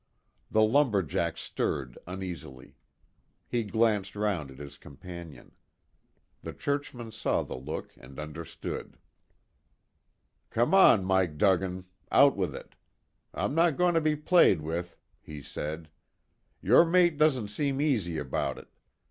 The lumber jack stirred uneasily. He glanced round at his companion. The churchman saw the look and understood. "Come on, Mike Duggan, out with it. I'm not going to be played with," he said. "Your mate doesn't seem easy about it.